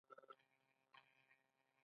د سور کوتل کتیبه ډیره مهمه ده